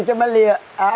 thấy bắt đầu tiếp tục làm